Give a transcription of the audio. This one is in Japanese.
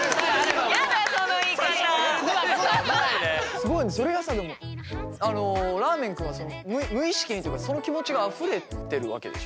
すごいなそれがさらーめん君は無意識にというかその気持ちがあふれてるわけでしょ？